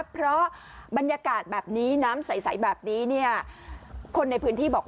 เพราะบรรยากาศแบบนี้มีชอบน้ำใสแบบนี้